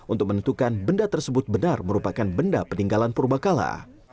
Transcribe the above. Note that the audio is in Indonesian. untuk menentukan benda tersebut benar merupakan benda peninggalan purba kala